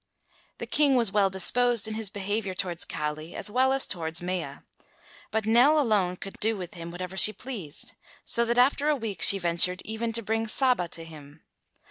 The King was well disposed in his behavior towards Kali as well as towards Mea, but Nell alone could do with him whatever she pleased, so that after a week she ventured even to bring Saba to him.